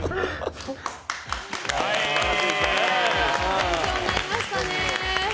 勉強になりましたね。